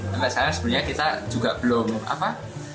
sampai sekarang sebenarnya kita juga belum apa